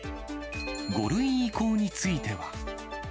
５類移行については。